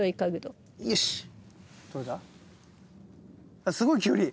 あっすごいキュウリ。